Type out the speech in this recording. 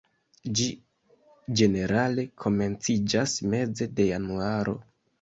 Ĝi ĝenerale komenciĝas meze de januaro.